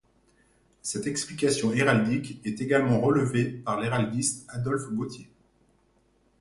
Cette explication héraldique est également relevée par l'héraldiste Adolphe Gauthier.